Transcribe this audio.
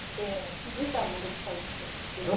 気付いたらもうどっかいっちゃってて。